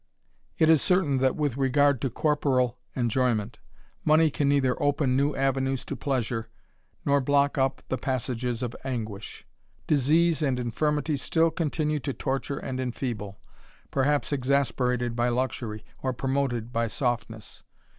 It is certain that, with regard to corporal enjoyment, money can neither open new avenues to pleasure, nor block up the passages of anguish. Disease and infirmity still continue to torture and enfeeble, perhaps exasperated by luxury, or promoted by softness.